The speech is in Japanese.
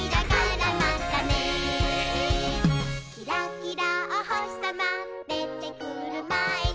「キラキラおほしさまでてくるまえに」